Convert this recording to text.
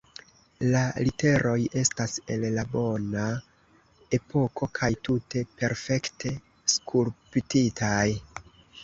La literoj estas el la bona epoko kaj tute perfekte skulptitaj.